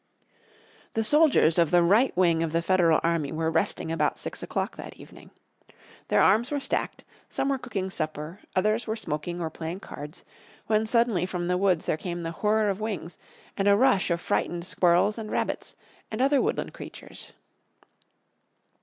The soldiers of the right wing of the Federal army were resting about six o'clock that evening. Their arms were stacked, some were cooking supper, others were smoking or playing cards, when suddenly from the woods there came the whirr of wings, and a rush of frightened squirrels and rabbits, and other woodland creatures.